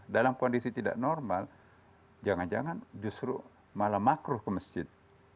dalam kondisi tidak normal jangan jangan justru malah makruh ke masjid